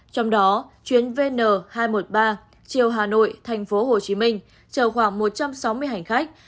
trong đó chuyến vn hai trăm một mươi ba chiều hà nội tp hcm chờ khoảng một trăm sáu mươi hành khách